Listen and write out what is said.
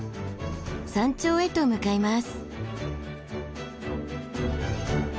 山頂へと向かいます。